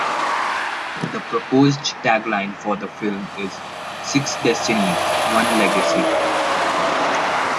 The proposed tagline for the film is "Six Destinies - One Legacy".